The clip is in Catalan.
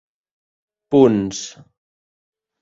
punts